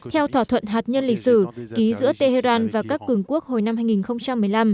theo thỏa thuận hạt nhân lịch sử ký giữa tehran và các cường quốc hồi năm hai nghìn một mươi năm